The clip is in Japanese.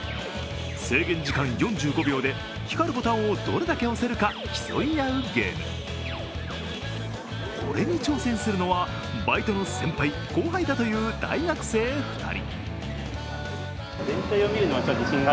制限時間４５秒で光るボタンをどれだけ押せるか、競い合うゲームこれに挑戦するのは、バイトの先輩・後輩だという大学生２人。